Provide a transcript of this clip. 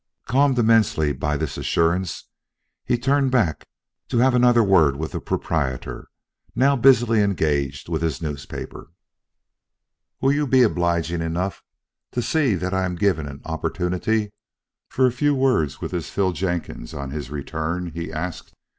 Calmed immensely by this assurance, he turned back to have another word with the proprietor, now busily engaged with his newspaper. "Will you be obliging enough to see that I'm given an opportunity for a few words with this Phil Jenkins on his return?" he asked.